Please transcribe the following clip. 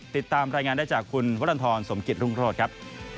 ติดตามรายงานได้จากคุณวรรณฑรสมกิจรุ่งโรธครับ